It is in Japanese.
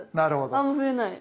あんま増えない。